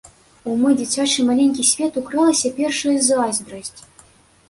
У мой дзіцячы маленькі свет укралася першая зайздрасць.